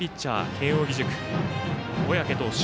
慶応義塾、小宅投手。